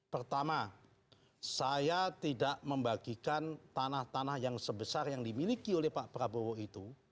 pertama saya tidak membagikan tanah tanah yang sebesar yang dimiliki oleh pak prabowo itu